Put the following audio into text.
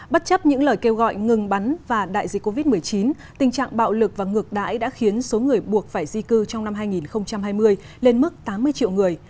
bất chấp những lời kêu gọi ngừng bắn và đại dịch covid một mươi chín tình trạng bạo lực và ngược đãi đã khiến số người buộc phải di cư trong năm hai nghìn hai mươi lên mức tám mươi triệu người